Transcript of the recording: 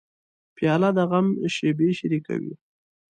پیاله د غم شېبې شریکوي.